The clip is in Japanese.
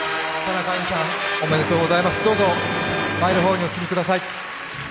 どうぞ前の方にお進みください。